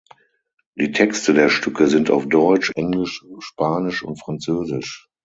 Die Texte der Stücke sind auf deutsch, englisch, spanisch und französisch.